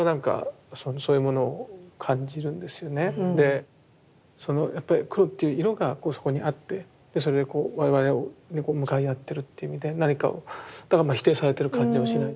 でやっぱり黒っていう色がそこにあってそれでこう我々を向かい合ってるっていう意味で何かをだから否定されてる感じはしない。